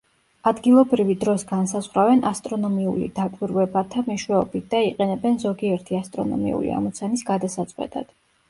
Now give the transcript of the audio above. ადგილობრივი დროს განსაზღვრავენ ასტრონომიული დაკვირვებათა მეშვეობით და იყენებენ ზოგიერთი ასტრონომიული ამოცანის გადასაწყვეტად.